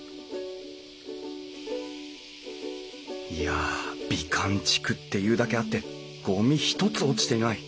いや美観地区っていうだけあってゴミ一つ落ちていない。